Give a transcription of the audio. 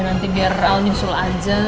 nanti biar nyusul aja